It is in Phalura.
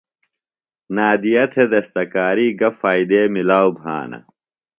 نادیہ تھےۡ دستکاری گہ فائدے ملاؤ بھانہ؟